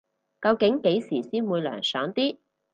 究竟幾時先會涼爽啲